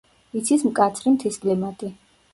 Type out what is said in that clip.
იცის მკაცრი მთის კლიმატი.